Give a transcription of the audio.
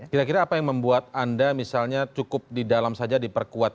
kira kira apa yang membuat anda misalnya cukup di dalam saja diperkuat